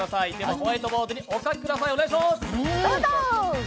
ホワイトボードにお書きください。